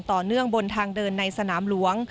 ต่อเนื่องบนทางเดินในสนามหลวง